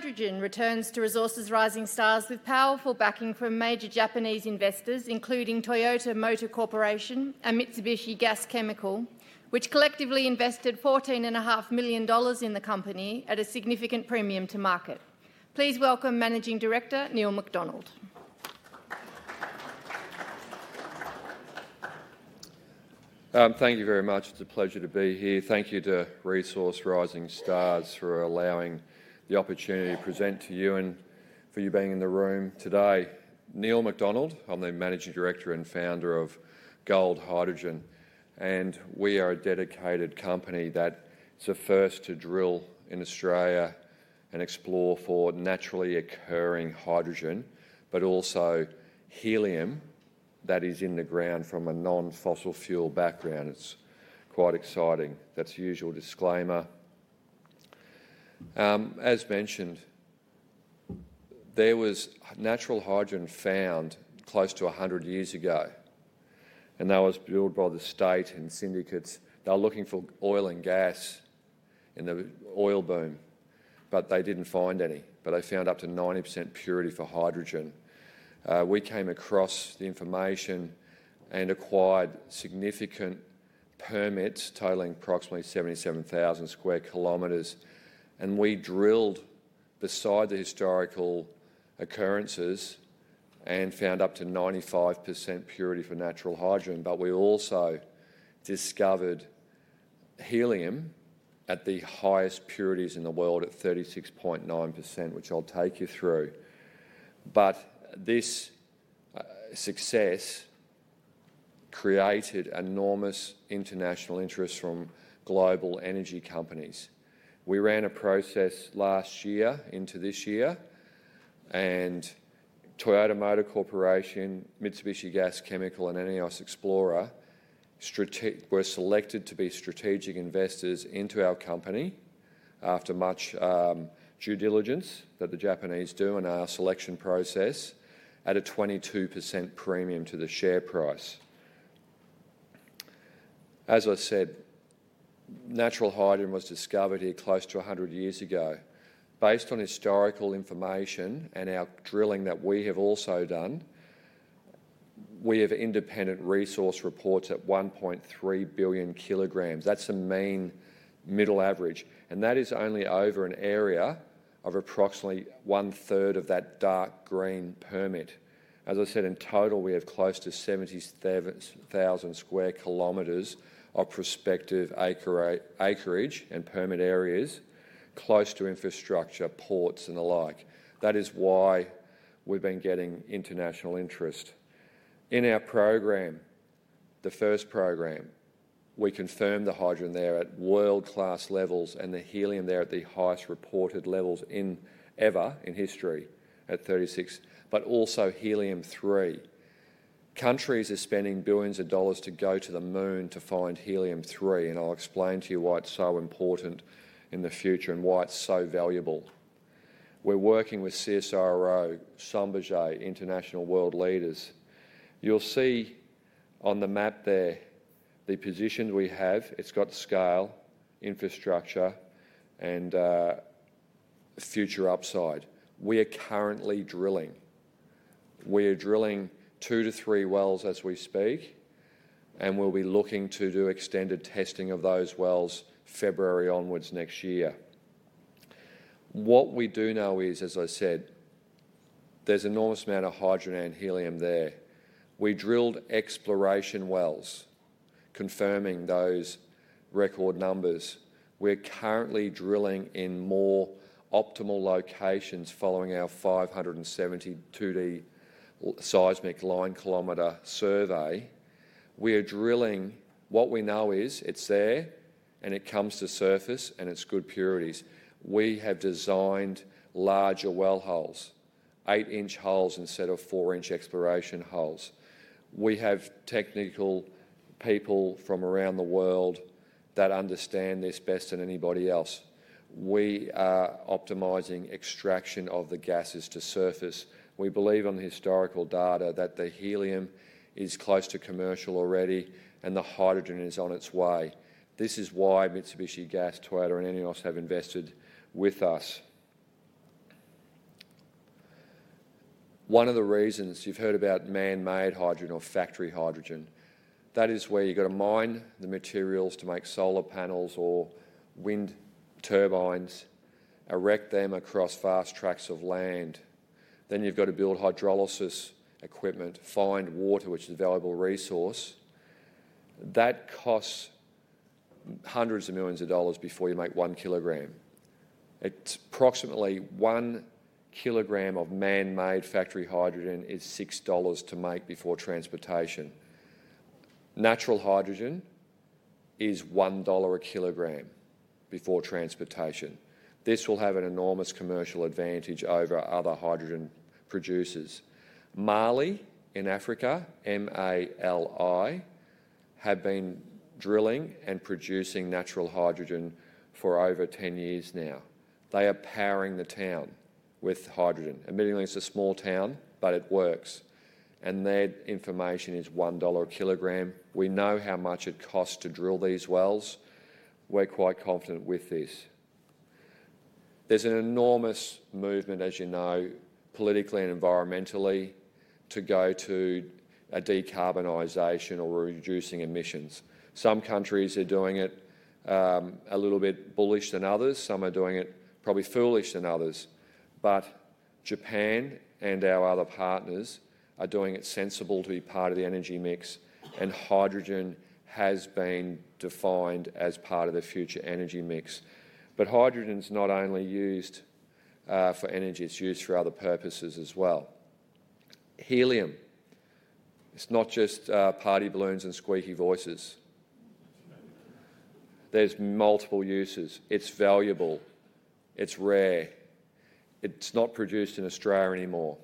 Gold Hydrogen returns to Resources Rising Stars with powerful backing from major Japanese investors, including Toyota Motor Corporation and Mitsubishi Gas Chemical, which collectively invested AUD 14.5 million in the company at a significant premium to market. Please welcome Managing Director Neil McDonald. Thank you very much. It's a pleasure to be here. Thank you to Resources Rising Stars for allowing the opportunity to present to you and for you being in the room today. Neil McDonald, I'm the Managing Director and Founder of Gold Hydrogen, and we are a dedicated company that's the first to drill in Australia and explore for naturally occurring hydrogen, but also helium that is in the ground from a non-fossil fuel background. It's quite exciting. That's the usual disclaimer. As mentioned, there was natural hydrogen found close to 100 years ago, and that was drilled by the state and syndicates. They were looking for oil and gas in the oil boom, but they didn't find any. But they found up to 90% purity for hydrogen. We came across the information and acquired significant permits totaling approximately 77,000 sq km. And we drilled beside the historical occurrences and found up to 95% purity for natural hydrogen. But we also discovered helium at the highest purities in the world at 36.9%, which I'll take you through. But this success created enormous international interest from global energy companies. We ran a process last year into this year, and Toyota Motor Corporation, Mitsubishi Gas Chemical, and ENEOS Xplora were selected to be strategic investors into our company after much due diligence that the Japanese do in our selection process at a 22% premium to the share price. As I said, natural hydrogen was discovered here close to 100 years ago. Based on historical information and our drilling that we have also done, we have independent resource reports at 1.3 billion kg. That's a mean middle average. And that is only over an area of approximately one-third of that dark green permit. As I said, in total, we have close to 77,000 sq km of prospective acreage and permit areas close to infrastructure, ports, and the like. That is why we've been getting international interest. In our program, the first program, we confirmed the hydrogen there at world-class levels and the helium there at the highest reported levels ever in history at 36, but also helium-3. Countries are spending billions of dollars to go to the moon to find helium-3, and I'll explain to you why it's so important in the future and why it's so valuable. We're working with CSIRO, SLB, international world leaders. You'll see on the map there the positions we have. It's got scale, infrastructure, and future upside. We are currently drilling. We are drilling 2-3 wells as we speak, and we'll be looking to do extended testing of those wells February onwards next year. What we do know is, as I said, there's an enormous amount of hydrogen and helium there. We drilled exploration wells, confirming those record numbers. We're currently drilling in more optimal locations following our 570 2D seismic line-kilometer survey. We are drilling what we know is it's there and it comes to surface and it's good purities. We have designed larger well holes, 8-inch holes instead of 4-inch exploration holes. We have technical people from around the world that understand this better than anybody else. We are optimizing extraction of the gases to surface. We believe on historical data that the helium is close to commercial already and the hydrogen is on its way. This is why Mitsubishi Gas, Toyota, and ENEOS have invested with us. One of the reasons you've heard about man-made hydrogen or factory hydrogen, that is where you've got to mine the materials to make solar panels or wind turbines, erect them across vast tracts of land. Then you've got to build hydrolysis equipment, find water, which is a valuable resource. That costs hundreds of millions of dollars before you make 1 kg. It's approximately 1 kg of man-made factory hydrogen is 6 dollars to make before transportation. Natural hydrogen is 1 dollar/kg before transportation. This will have an enormous commercial advantage over other hydrogen producers. Mali in Africa, M-A-L-I, have been drilling and producing natural hydrogen for over 10 years now. They are powering the town with hydrogen. Admittedly, it's a small town, but it works, and their information is 1 dollar/kg. We know how much it costs to drill these wells. We're quite confident with this. There's an enormous movement, as you know, politically and environmentally, to go to a decarbonization or reducing emissions. Some countries are doing it a little bit bullish than others. Some are doing it probably foolish than others. But Japan and our other partners are doing it sensible to be part of the energy mix. And hydrogen has been defined as part of the future energy mix. But hydrogen's not only used for energy, it's used for other purposes as well. Helium, it's not just party balloons and squeaky voices. There's multiple uses. It's valuable. It's rare. It's not produced in Australia anymore.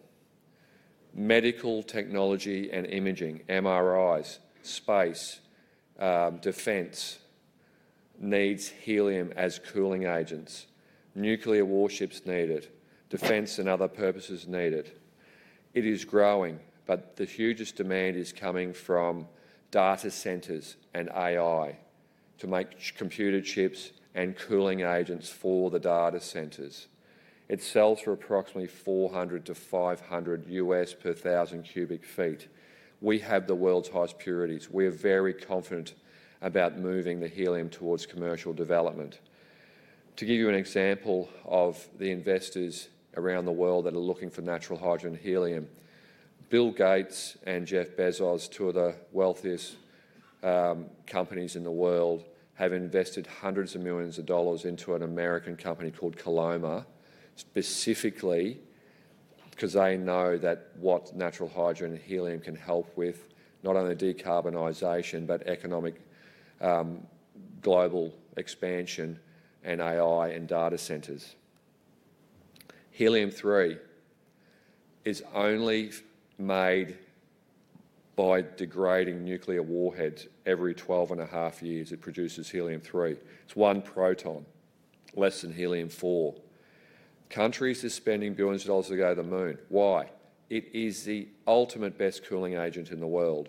Medical technology and imaging, MRIs, space, defense needs helium as cooling agents. Nuclear warships need it. Defense and other purposes need it. It is growing, but the hugest demand is coming from data centers and AI to make computer chips and cooling agents for the data centers. It sells for approximately $400-$500 per 1,000 cu ft. We have the world's highest purities. We are very confident about moving the helium towards commercial development. To give you an example of the investors around the world that are looking for natural hydrogen helium, Bill Gates and Jeff Bezos, two of the wealthiest companies in the world, have invested hundreds of millions of dollars into an American company called Koloma, specifically because they know that what natural hydrogen and helium can help with, not only decarbonization, but economic global expansion and AI and data centers. Helium-3 is only made by degrading nuclear warheads every 12 and a half years. It produces helium-3. It's one proton, less than helium-4. Countries are spending billions of dollars to go to the moon. Why? It is the ultimate best cooling agent in the world.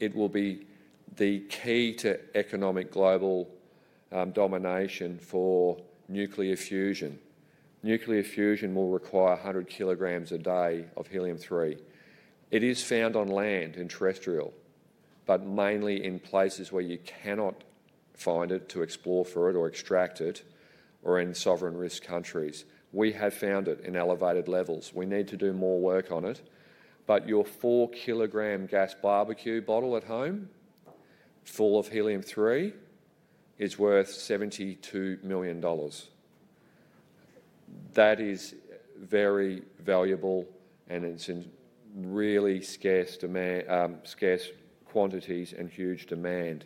It will be the key to economic global domination for nuclear fusion. Nuclear fusion will require 100 kg a day of helium-3. It is found on land and terrestrial, but mainly in places where you cannot find it to explore for it or extract it or in sovereign risk countries. We have found it in elevated levels. We need to do more work on it, but your 4 kg gas barbecue bottle at home full of helium-3 is worth 72 million dollars. That is very valuable, and it's in really scarce quantities and huge demand.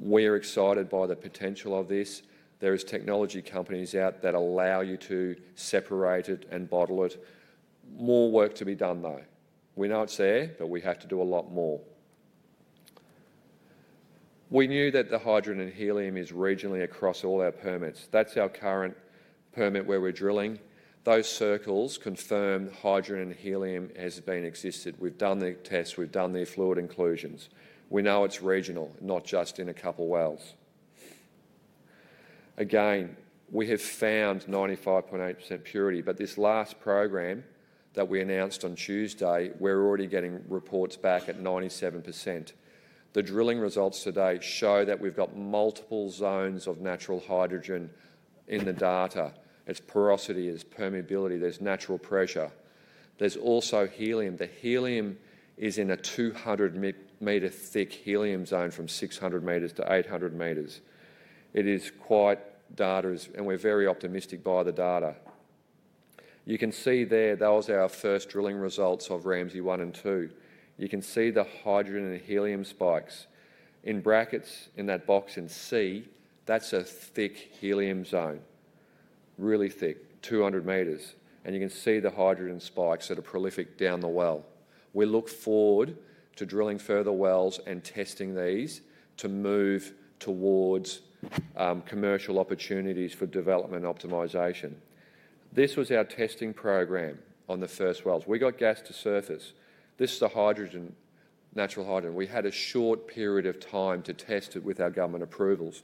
We are excited by the potential of this. There are technology companies out that allow you to separate it and bottle it. More work to be done, though. We know it's there, but we have to do a lot more. We knew that the hydrogen and helium is regionally across all our permits. That's our current permit where we're drilling. Those circles confirm hydrogen and helium has been existed. We've done the tests. We've done the fluid inclusions. We know it's regional, not just in a couple of wells. Again, we have found 95.8% purity. But this last program that we announced on Tuesday, we're already getting reports back at 97%. The drilling results today show that we've got multiple zones of natural hydrogen in the data. It's porosity. There's permeability. There's natural pressure. There's also helium. The helium is in a 200 m thick helium zone from 600 m-800 m. It is quite data, and we're very optimistic by the data. You can see there, those are our first drilling results of Ramsay 1 and 2. You can see the hydrogen and helium spikes. In brackets, in that box in C, that's a thick helium zone, really thick, 200 m. You can see the hydrogen spikes that are prolific down the well. We look forward to drilling further wells and testing these to move towards commercial opportunities for development optimization. This was our testing program on the first wells. We got gas to surface. This is the hydrogen, natural hydrogen. We had a short period of time to test it with our government approvals.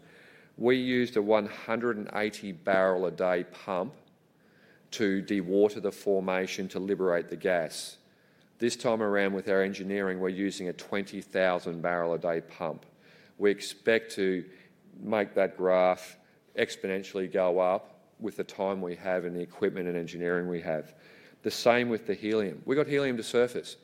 We used a 180 barrel-a-day pump to dewater the formation to liberate the gas. This time around, with our engineering, we're using a 20,000 barrell-a-day pump. We expect to make that graph exponentially go up with the time we have and the equipment and engineering we have. The same with the helium. We got helium to surface.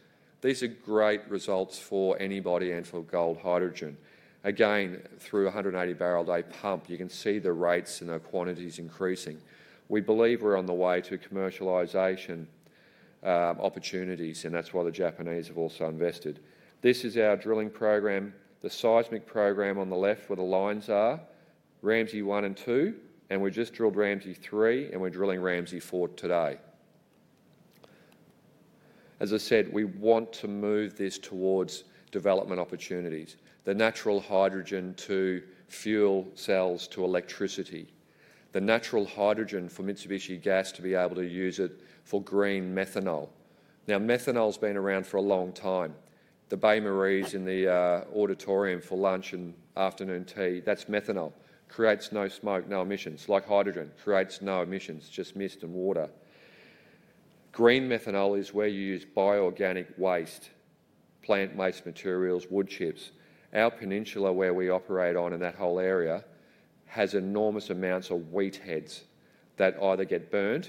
These are great results for anybody and for Gold Hydrogen. Again, through a 180 barrel-a-day pump, you can see the rates and the quantities increasing. We believe we're on the way to commercialization opportunities, and that's why the Japanese have also invested. This is our drilling program, the seismic program on the left where the lines are, Ramsay 1 and 2, and we just drilled Ramsay 3, and we're drilling Ramsay 4 today. As I said, we want to move this towards development opportunities. The natural hydrogen to fuel cells to electricity. The natural hydrogen for Mitsubishi Gas to be able to use it for green methanol. Now, methanol's been around for a long time. The bain-maries in the auditorium for lunch and afternoon tea. That's methanol. Creates no smoke, no emissions. Like hydrogen, creates no emissions, just mist and water. Green methanol is where you use bio-organic waste, plant-based materials, wood chips. Our peninsula where we operate on in that whole area has enormous amounts of wheat heads that either get burned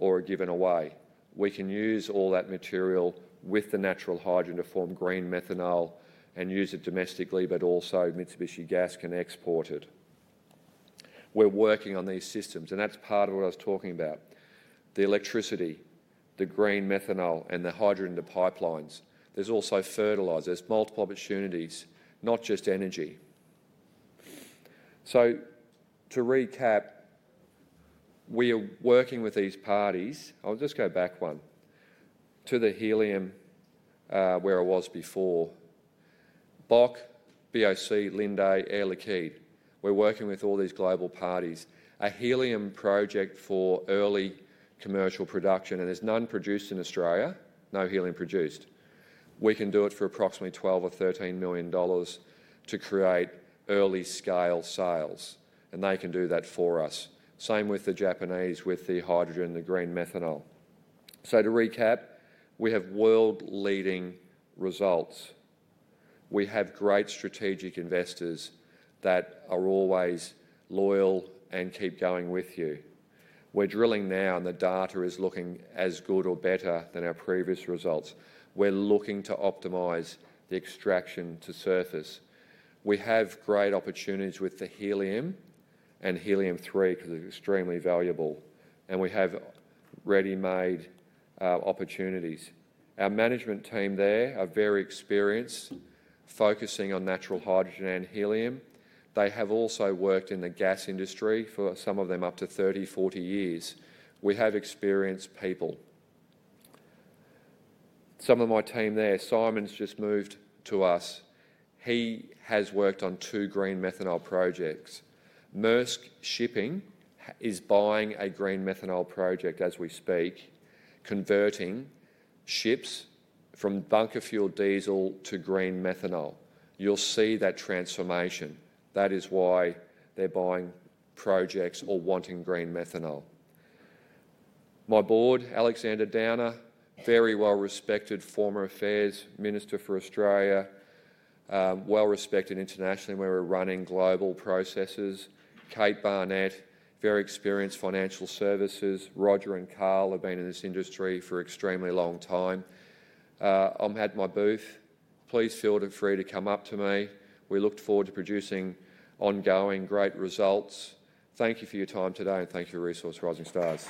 or are given away. We can use all that material with the natural hydrogen to form green methanol and use it domestically, but also Mitsubishi Gas can export it. We're working on these systems, and that's part of what I was talking about. The electricity, the green methanol, and the hydrogen to pipelines. There's also fertilizer. There's multiple opportunities, not just energy. To recap, we are working with these parties. I'll just go back one to the helium where it was before. BOC, Linde, Air Liquide. We're working with all these global parties. A helium project for early commercial production. There's none produced in Australia, no helium produced. We can do it for approximately 12 or 13 million dollars to create early scale sales, and they can do that for us. Same with the Japanese with the hydrogen and the green methanol. So to recap, we have world-leading results. We have great strategic investors that are always loyal and keep going with you. We're drilling now, and the data is looking as good or better than our previous results. We're looking to optimize the extraction to surface. We have great opportunities with the helium and helium-3 because it's extremely valuable. And we have ready-made opportunities. Our management team there are very experienced, focusing on natural hydrogen and helium. They have also worked in the gas industry for some of them up to 30-40 years. We have experienced people. Some of my team there, Simon's just moved to us. He has worked on two green methanol projects. Maersk Shipping is buying a green methanol project as we speak, converting ships from bunker-fueled diesel to green methanol. You'll see that transformation. That is why they're buying projects or wanting green methanol. My board, Alexander Downer, very well-respected former Foreign Minister for Australia, well-respected internationally when we're running global processes. Kate Barnet, very experienced financial services. Roger and Karl have been in this industry for an extremely long time. I've had my booth. Please feel free to come up to me. We look forward to producing ongoing great results. Thank you for your time today, and thank you for Resources Rising Stars.